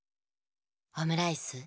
オムライス？